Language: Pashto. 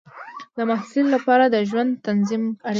د محصل لپاره د ژوند تنظیم اړین دی.